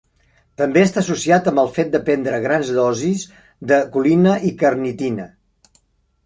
També està associat amb el fet de prendre grans dosis de colina i carnitina.